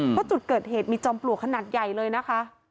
เพราะจุดเกิดเหตุมีจอมปลวกขนาดใหญ่เลยนะคะ